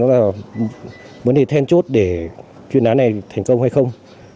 vào vấn đề then chốt để chuyên án này thành công hay không